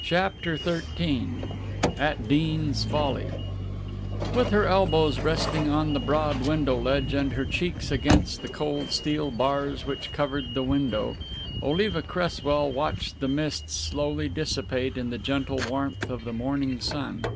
CHAPTER XIII AT DEANS FOLLY With her elbows resting on the broad window ledge and her cheeks against the cold steel bars which covered the window, Oliva Cresswell watched the mists slowly dissipate in the gentle warmth of the morning sun.